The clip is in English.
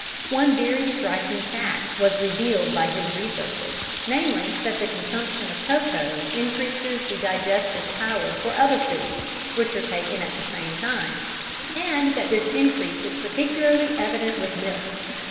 One very striking fact was revealed by his researches, namely, that the consumption of cocoa increases the digestive power for other foods which are taken at the same time, and that this increase is particularly evident with milk.